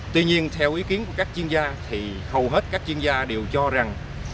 tuy nhiên theo ý kiến của các chuyên gia thì hầu hết các chuyên gia đều cho rằng